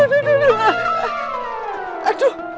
aduh aduh aduh